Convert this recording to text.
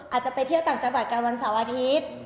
อาจจะไปเที่ยวต่างจังหวัดกันวันเสาร์อาทิตย์